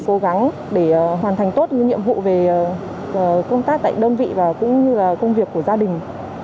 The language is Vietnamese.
cố gắng để hoàn thành tốt những nhiệm vụ về công tác tại đơn vị và cũng như là công việc của gia đình